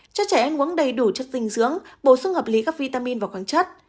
cho trẻ em uống đầy đủ chất dinh dưỡng bổ sung hợp lý các vitamin và khoáng chất